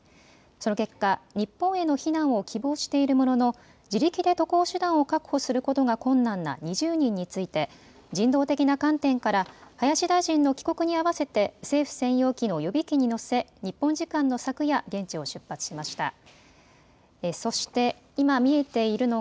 その結果、日本への避難を希望しているものの自力で渡航手段を確保することが困難な２０人について人道的な観点から林大臣の帰国にあわせて政府専用機の予備機に乗せ日本時間の昨夜現地を出発しました。